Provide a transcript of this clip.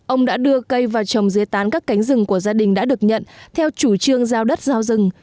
ông đã đưa cây vào trồng dưới tán các cánh rừng của gia đình đã được nhận theo chủ trương giao đất giao rừng